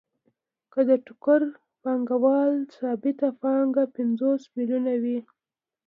که د ټوکر پانګوال ثابته پانګه پنځوس میلیونه وي